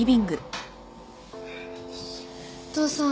お父さん